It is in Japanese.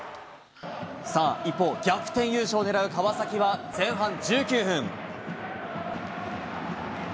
さあ、一方、逆転優勝を狙う川崎は前半１９分。